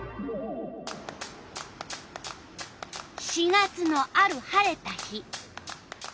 ４月のある晴れた日。